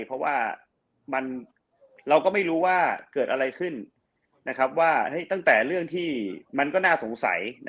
เพราะว่าเราก็ไม่รู้ว่าเกิดอะไรขึ้นว่าตั้งแต่เรื่องที่มันก็น่าสงสัย